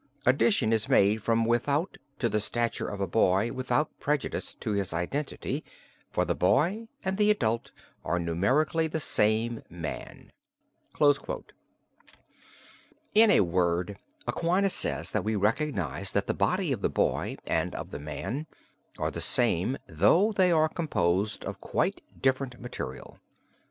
Addition is made from without to the stature of a boy without prejudice to his identity, for the boy and the adult are numerically the same man." In a word, Aquinas says that we recognize that the body of the boy and of the man are the same though they are composed of quite different material.